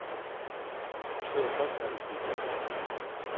Tcebḥeḍ tameddit-a.